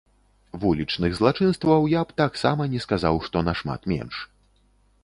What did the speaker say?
Вулічных злачынстваў я б таксама не сказаў, што нашмат менш.